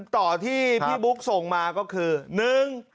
ต่อที่พี่บุ๊คส่งมาก็คือ